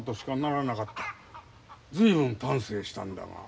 随分丹精したんだが。